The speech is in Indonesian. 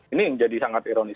ini menjadi sangat ironis